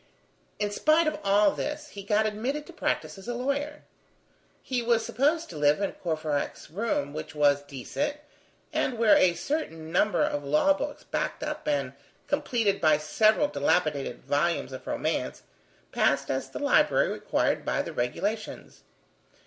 In spite of all this, he got admitted to practice as a lawyer. He was supposed to live in Courfeyrac's room, which was decent, and where a certain number of law books backed up and completed by several dilapidated volumes of romance, passed as the library required by the regulations.